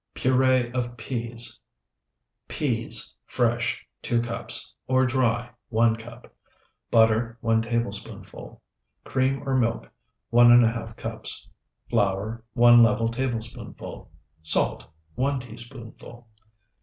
PUREE OF PEAS Peas, fresh, 2 cups (or dry, 1 cup). Butter, 1 tablespoonful. Cream or milk, 1½ cups. Flour, 1 level tablespoonful. Salt, 1 teaspoonful.